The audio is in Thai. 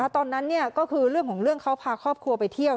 ตอนนั้นก็คือเรื่องของเรื่องเขาพาครอบครัวไปเที่ยว